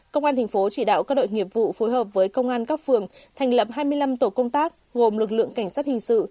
công an thành phố chỉ đạo các đội nghiệp vụ phối hợp với công an các phường thành lập hai mươi năm tổ công tác gồm lực lượng cảnh sát hình sự